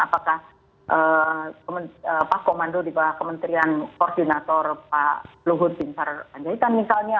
apakah pak komando di bawah kementerian koordinator pak luhut bintar anjaitan misalnya